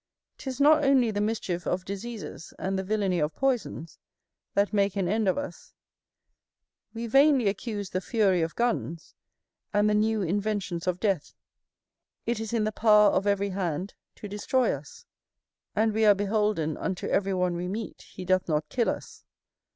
'Tis not only the mischief of diseases, and the villany of poisons, that make an end of us; we vainly accuse the fury of guns, and the new inventions of death: it is in the power of every hand to destroy us, and we are beholden unto every one we meet, he doth not kill us.